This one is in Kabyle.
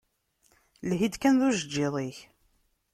Lhi-d, kan d ujeǧǧiḍ-ik!